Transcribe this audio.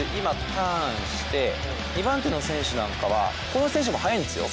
ターンして２番手の選手なんかはこの選手も速いんですよ。